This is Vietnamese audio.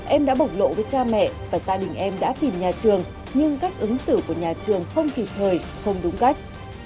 em đã bộc lộ với cha mẹ và gia đình em đã tìm nhà trường nhưng cách ứng xử của nhà trường không kịp thời không đúng cách